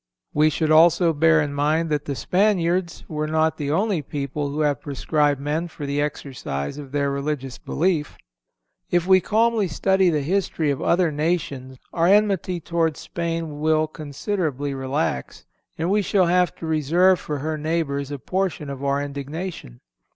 We should also bear in mind that the Spaniards were not the only people who have proscribed men for the exercise of their religious belief. If we calmly study the history of other nations our enmity towards Spain will considerably relax, and we shall have to reserve for her neighbors a portion of our indignation.